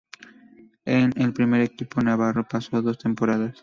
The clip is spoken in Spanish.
En el primer equipo navarro pasó dos temporadas.